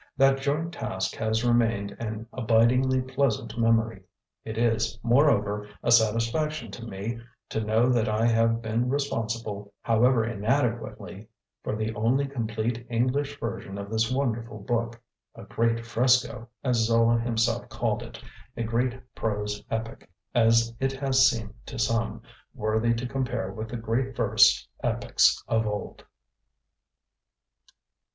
That joint task has remained an abidingly pleasant memory. It is, moreover, a satisfaction to me to know that I have been responsible, however inadequately, for the only complete English version of this wonderful book, 'a great fresco,' as Zola himself called it, a great prose epic, as it has seemed to some, worthy to compare with the great verse epics of old.